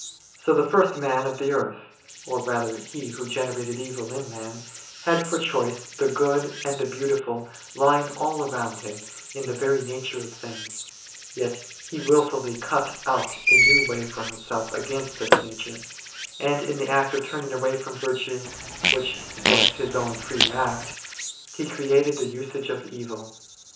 So the first man on the earth, or rather he who generated evil in man, had for choice the Good and the Beautiful lying all around him in the very nature of things ; yet he wilfully cut out a new way for himself against this nature, and in the act of turning away from virtue, which was his own free act, he created the usage of evil.